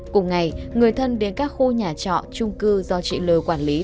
cùng ngày người thân đến các khu nhà trọ trung cư do chị l quản lý để tìm